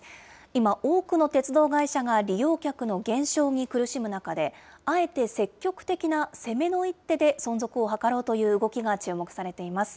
今、多くの鉄道会社が利用客の減少に苦しむ中で、あえて積極的な攻めの一手で存続を図ろうという動きが注目されています。